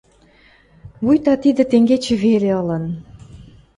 Вуйта тидӹ тенгечӹ веле ылын.